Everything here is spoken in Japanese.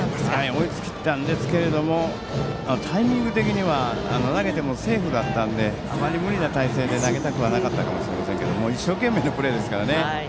追いついたんですがタイミング的には投げてもセーフだったのであまり無理な体勢で投げたくはなかったかもしれませんが一生懸命なプレーですからね。